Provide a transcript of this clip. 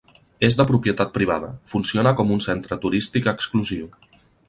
És de propietat privada, funciona com un centre turístic exclusiu.